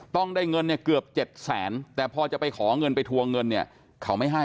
ต้องได้เงินเกือบ๗๐๐๐๐๐บาทแต่พอจะไปขอเงินไปทัวร์เงินเขาไม่ให้